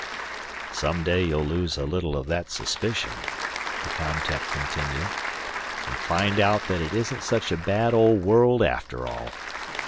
"Someday you'll lose a little of that suspicion," the com tech continued, "and find out it isn't such a bad old world after all.